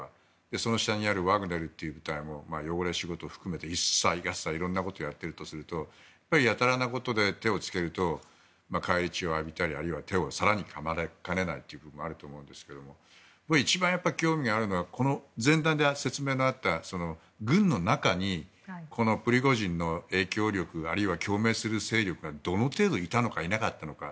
その下にあるワグネルという部隊も汚れ仕事を含めて一切合切いろんなことをやっているとするとやたらなことで手をつけると、返り血を浴びたりあるいは手を更にかまれかねないということもあると思いますが一番興味があるのは前段で説明のあった軍の中にプリゴジンの影響力あるいは共鳴する勢力がどの程度いたのかいなかったのか。